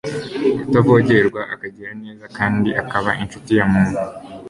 utavogerwa, ukagira neza kandi ukaba incuti ya muntu